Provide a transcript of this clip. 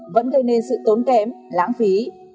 vẫn gây nên sự tốn kém lãng phí